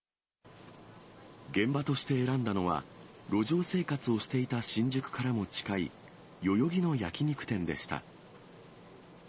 現場として選んだのは、路上生活をしていた新宿からも近い、代々木の焼き肉店でした。